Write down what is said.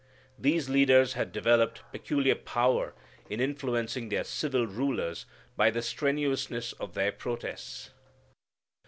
These leaders had developed peculiar power in influencing their civil rulers by the strenuousness of their protests.